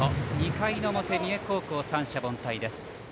２回の表、三重高校三者凡退です。